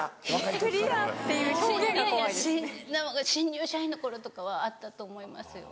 いやいや新入社員の頃とかはあったと思いますよ。